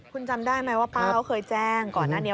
คุณจำได้ไหมว่าป้าเขาเคยแจ้งก่อนหน้านี้